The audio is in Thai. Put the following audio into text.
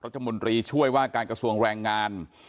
รัฐมนตรีช่วยว่าการกระทรวงแรงงาน